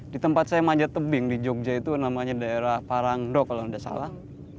di tempat saya manjat tebing di jogja itu namanya daerah parangdo kalau tidak salah